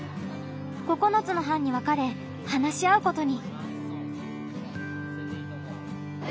９つの班に分かれ話し合うことに。